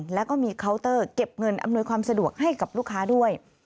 แล้วก็มีเคาน์เตอร์เก็บเงินอำนวยความสะดวกให้กับลูกค้าด้วย